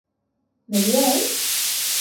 ¿bebió él?